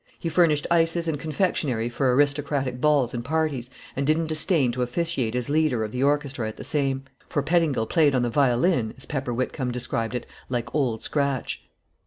He furnished ices and confectionery for aristocratic balls and parties, and didn't disdain to officiate as leader of the orchestra at the same; for Pettingil played on the violin, as Pepper Whitcomb described it, "like Old Scratch."